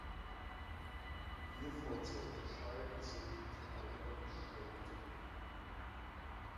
Hiervon zu unterscheiden sind die kleineren Schlenken.